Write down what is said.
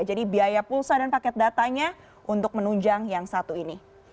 jadi biaya pulsa dan paket datanya untuk menunjang yang satu ini